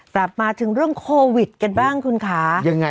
ปลอบมาถึงเรื่องโควิดกันบ้างคุณคะกันบ้างคุณคะ